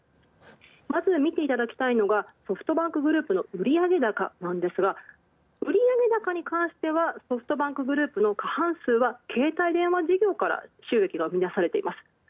まず見ていただきたいのがソフトバンクグループ売上高なんですが売上高に関してはソフトバンクグループの過半数は過半数は携帯電話事業から収益が生み出されています。